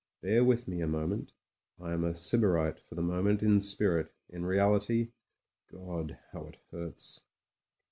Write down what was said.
Bear with me a mo ment. I am a sybarite for the moment in spirit: in reality — God! how it hurts.